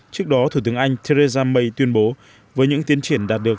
trước đó thủ tướng anh theresa may tuyên bố với những tiến triển đạt được